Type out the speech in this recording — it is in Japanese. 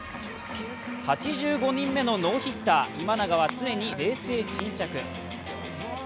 ８５人目のノーヒッター・今永は常に冷静沈着。